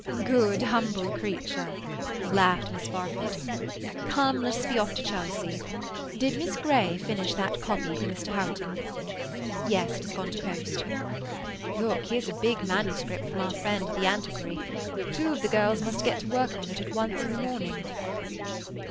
"Good, humble creature!" laughed Miss Barfoot. "Come, let us be off to Chelsea. Did Miss Grey finish that copy for Mr. Houghton?" "Yes, it has gone to post." "Look, here's a big manuscript from our friend the antiquary. Two of the girls must get to work on it at once in the morning."